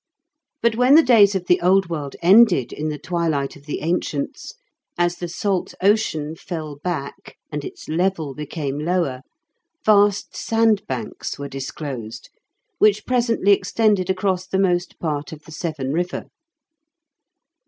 But when the days of the old world ended in the twilight of the ancients, as the salt ocean fell back and its level became lower, vast sandbanks were disclosed, which presently extended across the most part of the Severn river.